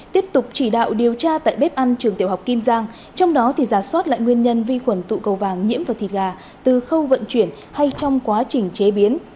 tiếp tục chỉ đạo điều tra tại bếp ăn trường tiểu học kim giang trong đó giả soát lại nguyên nhân vi khuẩn tụ cầu vàng nhiễm và thịt gà từ khâu vận chuyển hay trong quá trình chế biến